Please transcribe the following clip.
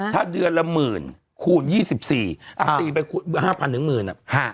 ถ้าเดือนละหมื่นคูณ๒๔อ่ะตีไป๕พัน๑หมื่น